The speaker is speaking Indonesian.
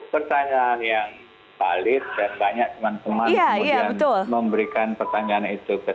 pertanyaan yang valid dan banyak teman teman kemudian memberikan pertanyaan itu